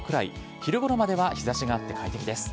昼ごろまでは日ざしがあって快適です。